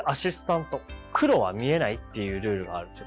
黒は見えないっていうルールがあるんですよ